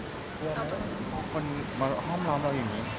เพราะคนมาห้อมร้อนเราอย่างนี้